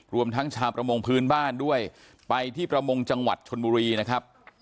รวมทั้งชาวประมงพื้นบ้านด้วยไปที่ประมงจังหวัดชนบุรีนะครับ